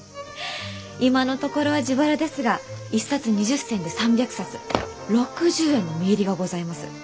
今のところは自腹ですが一冊２０銭で３００冊６０円の実入りがございます。